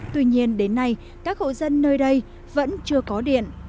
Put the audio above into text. tuy nhiên đến nay các hộ dân nơi đây vẫn chưa có điện